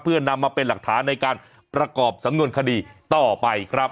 เพื่อนำมาเป็นหลักฐานในการประกอบสำนวนคดีต่อไปครับ